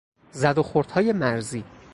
زد و خوردهای مرزی